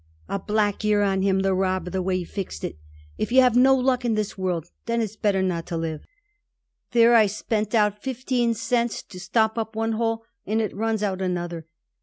"A black year on him, the robber, the way he fixed it! If you have no luck in this world, then it's better not to live. There I spent out fifteen cents to stop up one hole, and it runs out another.